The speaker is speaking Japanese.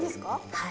はい。